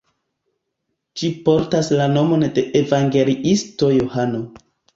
Ĝi portas la nomon de la evangeliisto Johano.